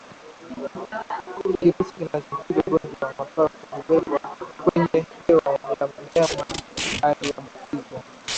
Kirusi kinachoambukiza ugonjwa wa mapafu hubebwa kwenye hewa ya mnyama aliyeambukizwa